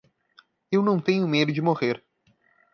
Eu não tenho medo de morrer.